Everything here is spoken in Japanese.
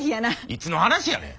いつの話やねん。